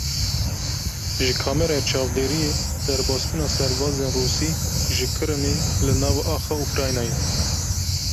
Ji kameraya çavdêriyê derbasbûna serbazên Rûsî ji Kirimê li nav axa Ukraynayê.